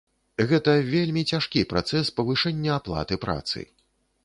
Гэта вельмі цяжкі працэс павышэння аплаты працы.